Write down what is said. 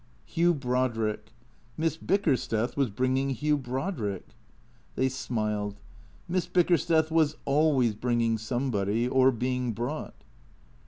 Hugh Brodrick. Miss Bickersteth was bringing Hugh Brod rick. They smiled. Miss Bickersteth was always bringing some body or being brought.